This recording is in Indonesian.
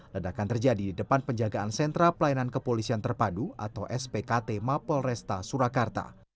ledakan terjadi di depan penjagaan sentra pelayanan kepolisian terpadu atau spkt mapol resta surakarta